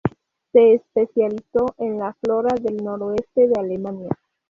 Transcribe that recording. Se especializó en la flora del noroeste de Alemania.